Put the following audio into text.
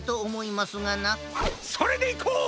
それでいこう！